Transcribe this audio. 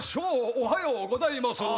おはよぉうございますぅ。